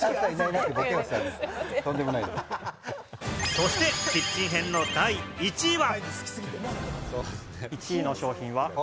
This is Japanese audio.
そしてキッチン編の第１位は。